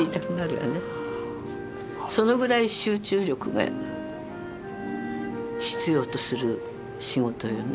そのぐらい集中力が必要とする仕事よね。